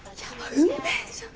運命じゃん。